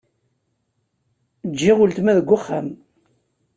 Ǧgiɣ uletma deg uxxam.